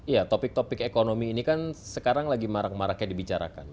ya topik topik ekonomi ini kan sekarang lagi marak maraknya dibicarakan